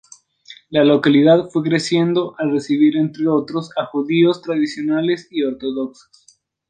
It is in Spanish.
La localidad fue creciendo al recibir, entre otros, a judíos tradicionales y ortodoxos.